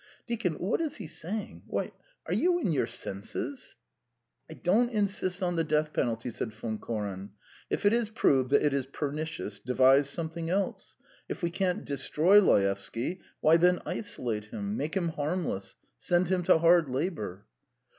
"Deacon, what is he saying? Why are you in your senses?" "I don't insist on the death penalty," said Von Koren. "If it is proved that it is pernicious, devise something else. If we can't destroy Laevsky, why then, isolate him, make him harmless, send him to hard labour."